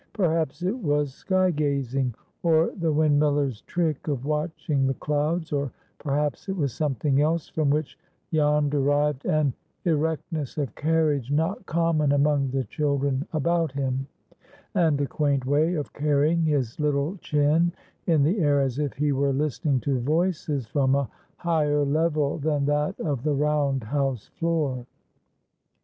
Perhaps it was sky gazing, or the windmiller's trick of watching the clouds, or perhaps it was something else, from which Jan derived an erectness of carriage not common among the children about him, and a quaint way of carrying his little chin in the air as if he were listening to voices from a higher level than that of the round house floor.